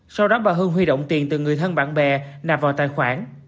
sau đó bà hương huy động tiền từ người thân bạn bè nạp vào tài khoản